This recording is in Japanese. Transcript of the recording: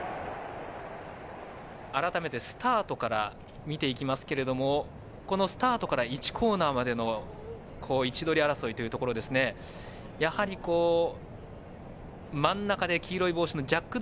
改めてスタートから見ていきますけれどもスタートから１コーナーまでの位置取り争いうというところやはり、真ん中で黄色い帽子ジャック